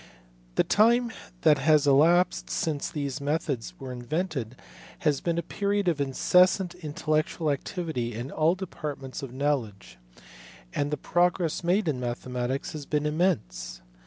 The time that has elapsed since these methods were in vented has been a period of incessant intellectual activity in all departments of knowledge, and the progress made in mathe matics has been immense.